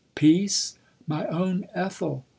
Peace ! My own Ethel !